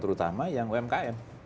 terutama yang umkm